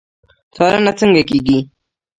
څارنه څنګه کیږي؟